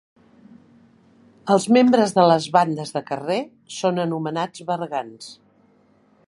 Els membres de les bandes de carrer són anomenats bergants.